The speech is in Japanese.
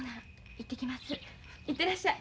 行ってらっしゃい。